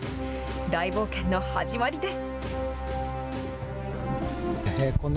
大冒険の始まりです。